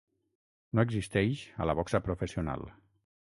No existeix a la boxa professional.